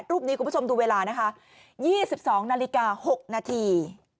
รูปนี้คุณผู้ชมดูเวลานะคะ๒๒นาฬิกา๖นาที